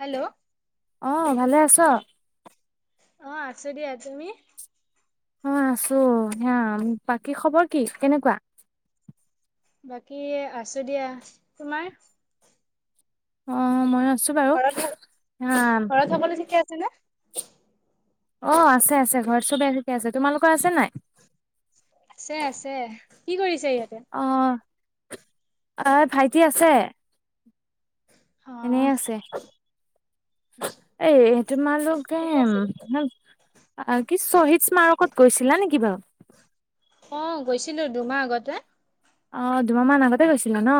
Hello আহ', ভালে আছ? অ ', আছো দিয়া তুমি? অ ', আছো হে বাকী খবৰ কি কেনেকুৱা? বাকী আছো দিয়া তোমাৰ? অ', মই ৰা খৰ থ খৰ থাবলৈ ঠিকে আছে ন। অ', আছে- আছে ঘৰত চবে চকে আছে তোমালোকৰ আছে নাই? আছে- আছে কি কৰিছ? অ', এ ভাইটি আছে। অ এনে আছে এ ', তোমালোক এ ঠিকে আছে ', হ', কি শ্বহীদ স্মাৰকত গৈছিলা নেকি বাৰু? অ', গৈছিলো দুমাহ আগতে। অ', দুমাহ মমান আগতে গৈছিলে ন?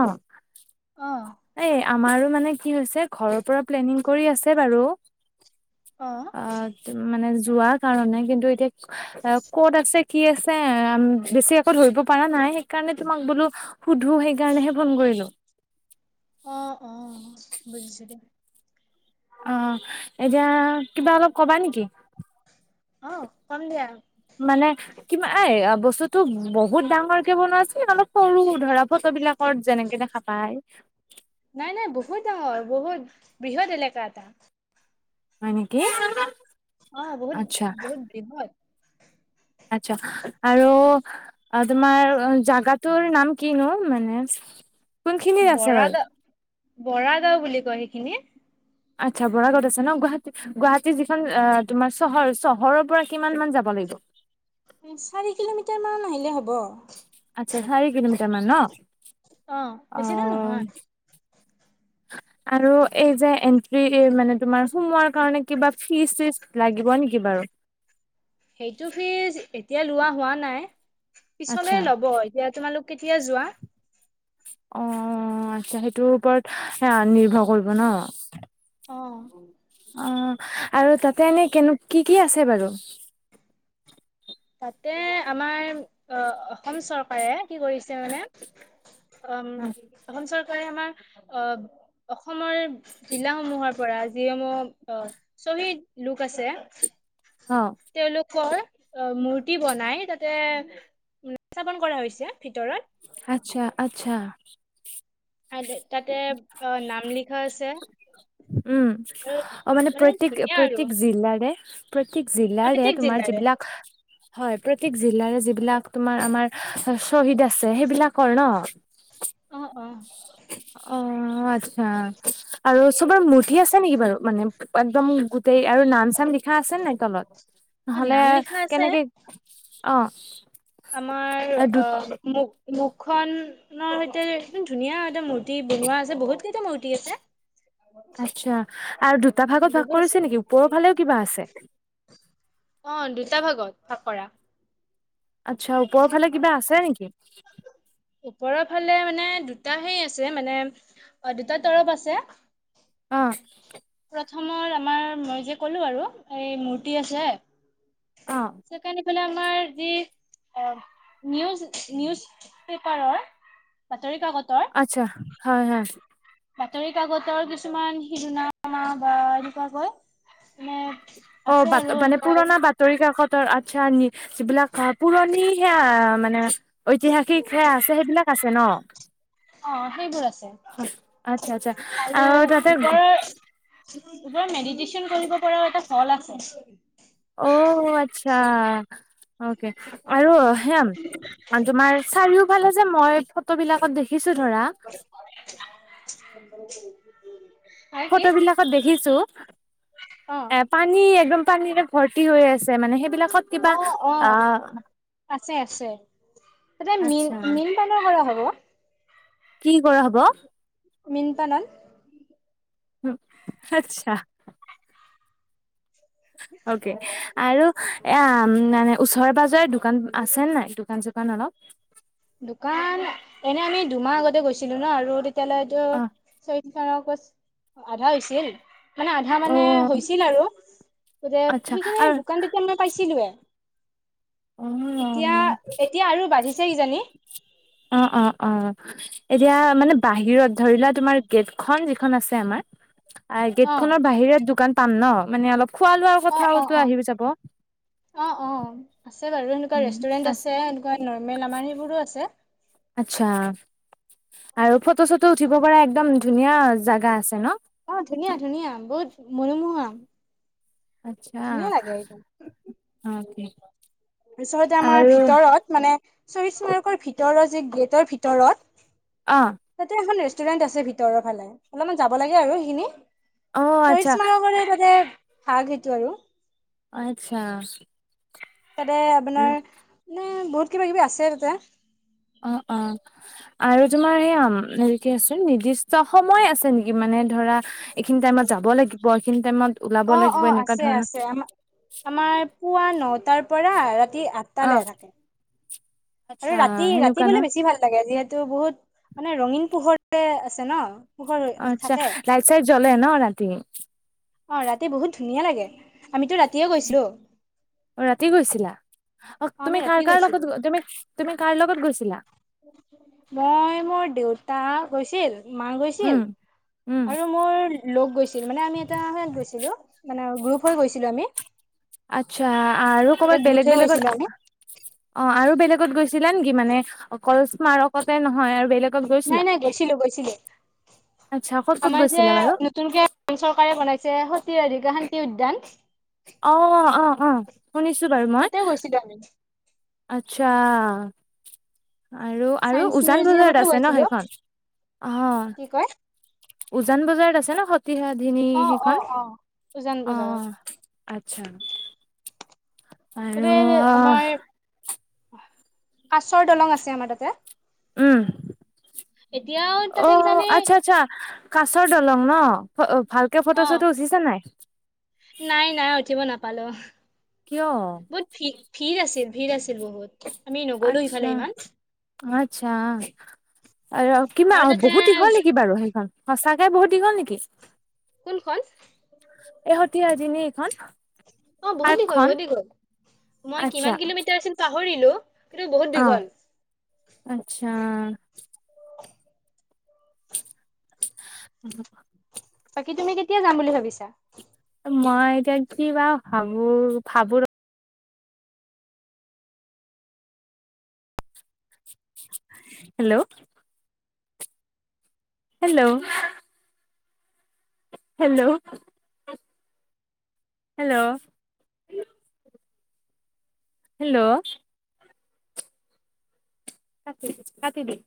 অ এ', আমাৰো মানে কি হৈছে ঘৰৰ পৰা প্লেনিং কৰি আছে বাৰু অ ', মানে যোৱা কাৰণে কিন্তু এতিয়া ক'ত আছে কি আছে বেছি আকৌ ধৰিব পৰা নাই সেইকাৰণে তোমাক বোলো সুধো সেইকাৰণেহে ফোন কৰিলো অ' অ' বুজিছো দ অ' এতিয়া কিবা অলপ কবা নেকি অ' কম দিয়া। মানে কি এ বস্তুতটো বহুত ডাঙৰ কে বনোৱাছিল অলপ সৰু ধৰা ফটো বিলাক ঘৰত যেনেকে দেখা পায়। হয়। নাই নাই বহুত ডাঙৰ বহুত বৃহৎ এলেকা এটা হয় নেকি অ বহুত আচ্ছা। বহুত বৃহৎ আচ্ছা আৰু তোমাৰ জাগাটোৰ নাম কিনো মানে। কোনখিনিত আছে বৰা বাৰু। গাঁও বৰা গাঁও বুলি কয় সেইখিনি আচ্ছা বৰাগত আছে ন গুৱ গুৱাহাটী যিখন তোমাৰ চহৰ চহৰৰ পৰা কিমান মান যাব লাগিব চাৰি কিলোমিটাৰ মান আহিলে হ'ব। হ'ব। আ চাৰি কিলোমিটাৰ মান ন অ' বেছিদিন নহয়। এই আৰু যে কিবা ফিচ চিত লাগিব নেকি বাৰু সেইটো ফিচ এতিয়া লোৱা হোৱা নাই। আচ্ছা পিছলেহে লব এতিয়া তোমালোক। কেতিয়া যোৱা অ আচ্ছা সেইটোৰ ওপৰত নিৰ্ভৰ কৰিব ন। অ আৰু তাতে এনেই কেনেকা। কি কি আছে বাৰু। [inaudible] তে আমাৰ আহ অসম চৰকাৰে কি কৰিছে মানে। অম অসম চৰকাৰ। আমাৰ আহ অসমৰ জিলা সমূহৰ পৰা যিসমূহ আহ শহীদ লোক আছে অ ক অ মূৰ্তি বনাই তাতে স্থাপন কৰা হৈছে ভিতৰত আচ্ছা আচ্ছা আ তাতে অ নাম লিখা আছে উম আৰু অ মানে প্ৰত্যেক ধুনীয়া আৰু প্ৰত্যেক জিলাৰে প্ৰত্যেক জিলাৰে প্ৰত্যেক তোমাৰ জিলাৰে যিবিলাক হয় প্ৰত্যেক জিলাৰে যিবিলাক তোমাৰ আমাৰ শ্বহিদ আছে সেইবিলাকৰ ন অ অ অ আচ্ছা আৰু চবৰে মূৰ্ঠি আছে নেকি বাৰু মানে একদম তই আৰু নাম চাম লিখা আছে নাই তলত? অ নহলে নাম লিখা আছে কেনেকে। অঁ। আমাৰ অ মোক মুখখনৰ সৈতে একমান ধুনীয়া এটা মূৰ্তি বনোৱা আছে বহুত কেইটা মূৰ্তি আছে আচ্ছা আৰু দুটা ভাগত ভাগ বহুত আছে। কৰিছে নেকি ওপৰৰ ফালেও কিবা আছে ফকৰা আচ্ছা ওপৰৰ ফালে কিবা আছে নেকি ওপৰফলে মানে দুটা সেই আছে মানে দুটা তৰফ আছে আহ প্ৰথমৰ আমাৰ মই যে ক'লো আৰু এই মূৰ্তি আছে অ চেইকানে মানে আমাৰ যি অ নিউজ নিউজ পেপাৰৰ বাতৰি কাকতৰ আচ্ছা হয় হয়। বাতৰি কাকতৰ কিছুমান শিৰনামা বা এনেকুৱাকৈ হয় মানে। অ আছে বাত আৰু মানে এনেকৈ পুৰণা বাতৰি কাকত। ৰ আচ্ছা যিবিলাক পুৰণি সেয়া মানে ঐতিহাসিক হে আছে সেইবিলাক আছে। টেনত অ সেইবোৰ আছে আচ্ছা আচ্ছা আৰু তাতে ওপৰৰ। তাৰ পৰা মেডিটেশচন কৰিব পৰাও এটা ফল আছে অঁ, আচ্ছা। অকে আৰু হেম তোমাৰ চাৰিওফালে, যে মই ফটো বিলাকত দেখিছো ধৰা। [unintelligible] কি ফটো বিলাকত দেখিছো এ অ পানী একদম পানীৰে। ভৰ্তি হৈ আছে। মানে সেইবিলাকত কিবা আ'। ছে। এতিয়া মীন মীন পালৰ কৰা হ'ব। কি কৰা হ'ব? মীনপালন। আচ্ছা। অকে আৰু এ মানে ওচৰে পাজৰে দোকান আছেনে নাই? দোকান চোকান অলপ। দোকান এনে আমি দুমাহ আগতে গৈছিলো ন আৰু। তেতিয়া অ' অঁ তো। আধা হৈছিল। মানে আধা মানে অ' হৈছিল আৰু। গতিকে আচ্ছা সেইখিনি আৰু দোকান তেতিয়া মই পাইছিলো। এতিয়া অ' এতিয়া আৰু বাঢ়িছে কিজানি। অ' অ' অ' এতিয়া মানে বাহিৰত ধৰিলোৱা তোমাৰ গেটখন যিখন আছে আমাৰ। আৰু গেট অ খনৰ বাহিৰে দোকান। পাম ন মানে অলপ। খোৱা লোৱাৰ অ অ কথাওটো অ আহি যাব। অ অ আছে বাৰু এনেকুৱা ৰেষ্টুৰেণ্ট আছে এনেকুৱা নৰ্মেল আমাৰ সেইবোৰো আছে। আচ্ছা আৰু ফটো চটো উঠিব পৰা এক্দম ধুনীয়া জাগা আছে ন। অঁ ধুনীয়া ধুনীয়া বহুত মনোমূহা। আচ্ছা ধুনীয়া লাগে একদম অকে তাৰপিছতে আমাৰ আৰু ভিতৰত মানে। চইছ মাৰ্কৰ ভিতৰৰ যি গেটৰ ভিতৰত। অ তাতে এখন। ৰেষ্টুৰেণ্ট আছে ভিতৰৰ ফালে অলপমান যাব লাগে আৰু সেইখিনি। অ শহীদ আচ্ছা স্মাৰ কৰে তাতে। [unintelligible] আৰু আচ্ছা তাতে আৰু আপোনাৰ এ বহুত কিবা কিবি আছে তাতে অ অ আৰু তোমাৰ এই কি আছে নিৰ্দিষ্ট সময় আছে নেকি মানে ধৰা এইখিনি টাইমত যাব লাগিব এইখিনি টাইমত ওলাব অ অ লাগিব এনেকুৱা আছে ধৰণৰ আছে আমাৰ আমাৰ। পুৱা নটাৰ পৰা অ আঠটালে থাকে। আৰু আচ্ছা ৰাতি ৰাতি সেনেকুৱা ন মানে বেছি ভাল লাগে যিহেতু, এইটো বহুত মানে ৰঙীন পোহৰে আছে ন। পোহৰ আচ্ছা থাকে লাইট চাইট জ্বলে ন ৰাতি অ ৰাতি বহুত ধুনীয়া লাগে। আমিতো ৰাতিয়ে গৈছিলো। অ ৰাতি গৈছিলা অ আমি তুমি ৰাতি কাৰ-কাৰ গৈছিলো লগত, তুমি-তুমি কাৰ লগত গৈছিলা? তা গৈছিল মা গৈছিল উম উম আৰু মোৰ লগ গৈছিল মানে আমি এটা সাত গৈছিলো মানে গ্ৰুপ হৈ গৈছিলো আমি। আচ্ছা আৰু এটা ক'ৰবাত গোট হৈ বেলেগ-বেলেগত গৈছিলো অঁ। আমি আৰু বেলেগত গৈছিলা নেকি? মানে অকল স্মাৰকতে নহয়, আৰু বেলেগ নাই-নাই গৈছিলো-গৈছিলো। আচ্ছা ক'ত ক'ত আমাৰ যে গৈছিলা বাৰু নতুনকে চৰকাৰে বনাইছে স ৰিগা হন কি উদ্যান? অ-অ-অ শুনিছো বাৰু মই। তাতেও গৈছিলো আমি আচ্ছা। আৰু-আৰু চাইন্স উজান বজাৰত মিউজিয়ামতো আছে ন গৈছিলো সেইখন? অ কি কয় উজান বজাৰত আছে ন স সতী সাধিনী অ অ সেইখন। অ উজান অ বজাৰত আচ্ছা। তাতে আৰু আমাৰ আহ কাছৰ দলং আছে আমাৰ তাতে উওম এতিয়াও অ তাতে কিজানি আচ্ছা-আচ্ছা, কাছৰ দলং ন? [unintelligible] ভালকে ফটো অ চটো উচিছা নাই পলো কিয় বহুত ফি ফিৰ আছিল ভিৰ আছিল বহুত আমি নগলো আচ্ছা ইফালে ইমান আচ্ছা আৰু আৰু কিমান বহুত দীঘল তাতে নেকি বাৰু সেইখন? সঁচাকে বহুত দিঘল নেকি? কোনখন এহতিন এইখন অ বহুত দীঘল বহুত পাৰ্কখন দীঘল আচ্ছা পাহৰিলোঁ। কিন্তু বহুত অ' দীঘল। আচ্ছা অ বাকী তুমি কেতিয়া যাম বুলি ভাবিছা? মই এতিয়া কি বা ভাবো ভাবো ৰ hello hello hello hello hello cut cut দিন